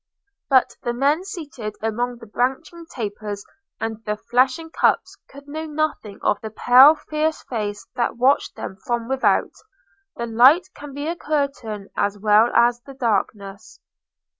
But the men seated among the branching tapers and the flashing cups could know nothing of the pale fierce face that watched them from without. The light can be a curtain as well as the darkness.